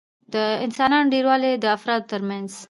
د انسانانو ډېروالي د افرادو ترمنځ